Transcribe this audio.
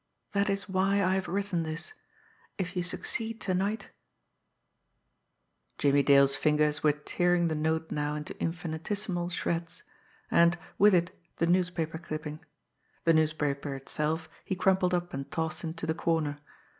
That is why I have written this if you succeed to night ..." Jimmie Dale's fingers were tearing the note now into infinitesimal shreds, and, with it, the newspaper clipping. The newspaper itself he crumpled up and tossed into the corner.